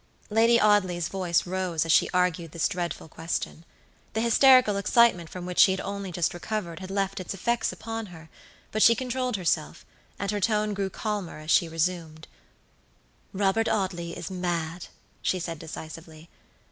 Lady Audley's voice rose as she argued this dreadful question, The hysterical excitement from which she had only just recovered had left its effects upon her, but she controlled herself, and her tone grew calmer as she resumed: "Robert Audley is mad," she said, decisively.